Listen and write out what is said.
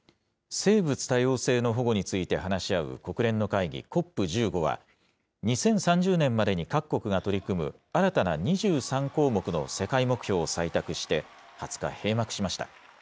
生物多様性の保護について話し合う国連の会議、ＣＯＰ１５は、２０３０年までに各国が取り組む新たな２３項目の世界目標を採択して、２０日、閉幕しました。